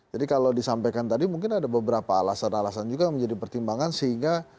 jadi kalau disampaikan tadi mungkin ada beberapa alasan alasan juga yang menjadi pertimbangan sehingga